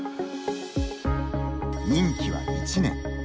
任期は１年。